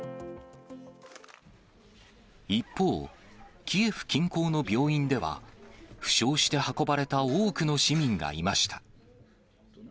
一方、キエフ近郊の病院では、負傷して運ばれた多くの市民がいました。